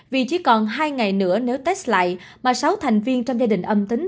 vì chỉ còn hai ngày nữa nếu test lại mà sáu thành viên trong gia đình âm tính